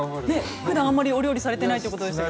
ふだんはあまりお料理をしないということですが。